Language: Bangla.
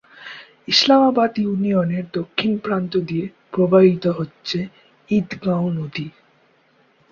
ইসলামাবাদ ইউনিয়নের দক্ষিণ প্রান্ত দিয়ে প্রবাহিত হচ্ছে ঈদগাঁও নদী।